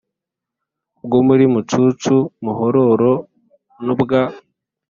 bwo muri Mucucu Muhororo n ubwa